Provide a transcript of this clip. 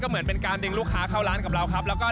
เหมือนเป็นการดึงลูกค้าเข้าร้านกับเราครับ